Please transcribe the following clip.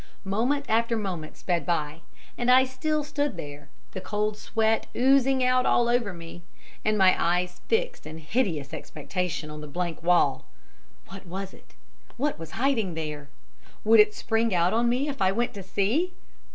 Moment after moment sped by, and I still stood there, the cold sweat oozing out all over me, and my eyes fixed in hideous expectation on the blank wall. What was it? What was hiding there? Would it spring out on me if I went to see?